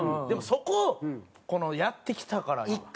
でもそこをやってきたからには。